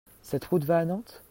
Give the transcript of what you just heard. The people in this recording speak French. Cette route va à Nantes ?